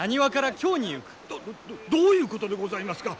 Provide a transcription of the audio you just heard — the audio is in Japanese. どどういうことでございますか！？